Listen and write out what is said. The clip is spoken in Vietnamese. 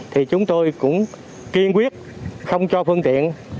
thì chúng tôi cũng kiên quyết không cho phương tiện